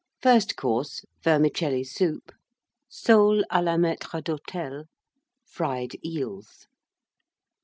FIRST COURSE. Vermicelli Soup. Soles à la Maître d'Hôtel. Fried Eels.